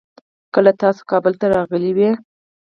کله تاسو کابل ته راغلې وي؟